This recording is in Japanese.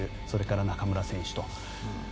それから中村選手と。